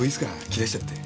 切らしちゃって。